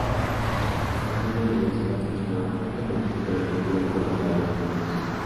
El jardín de niños es patrocinado públicamente pero dirigido por operadores privados.